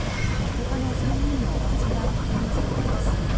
ほかの３人の無事は確認されています。